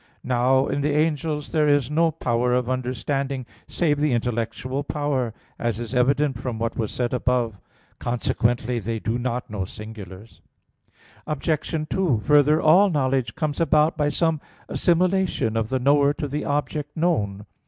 Now, in the angels there is no power of understanding save the intellectual power, as is evident from what was said above (Q. 54, A. 5). Consequently they do not know singulars. Obj. 2: Further, all knowledge comes about by some assimilation of the knower to the object known.